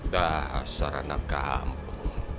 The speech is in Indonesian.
dasar anak kamu